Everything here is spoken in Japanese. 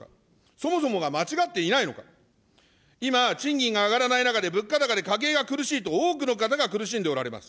そもそもが間違っていないのか、今、賃金が上がらない中で、物価高で家計が苦しいと、多くの方が苦しんでおられます。